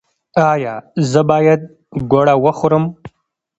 ایا زه باید ګوړه وخورم؟